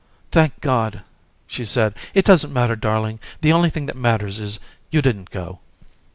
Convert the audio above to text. "Thank, God," she said. "It doesn't matter, darling. The only thing that matters is you didn't go."